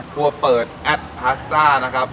ทั่วเปิดแอดพาสตาร์นะครับ